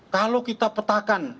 kalau kita petakan